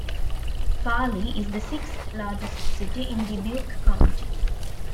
Farley is the sixth-largest city in Dubuque County.